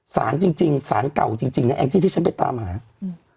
ศาลจริงจริงศาลเก่าจริงจริงเนี้ยที่ที่ฉันไปตามมาอืม